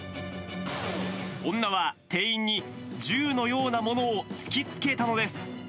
女は店員に銃のようなものを突きつけたのです。